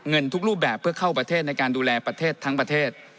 เงินทุกรูปแบบเพื่อเข้าประเทศในการดูแลประเทศทั้งประเทศ